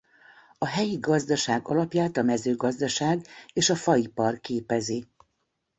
A helyi gazdaság alapját a mezőgazdaság és a faipar képezi.